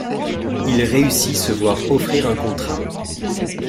Il réussit se voir offrir un contrat.